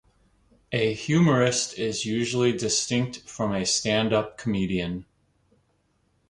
A humorist is usually distinct from a stand-up comedian.